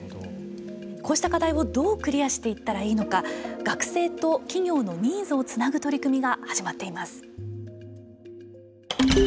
こうした課題をどうクリアしていったらいいのか学生と企業のニーズをつなぐ取り組みが始まっています。